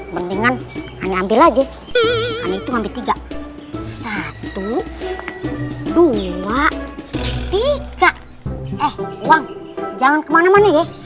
mendingan ambil aja itu ngambil tiga satu ratus dua puluh tiga eh uang jangan kemana mana ya